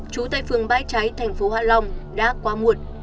trú tại phương bãi trái thành phố hạ long đã quá muộn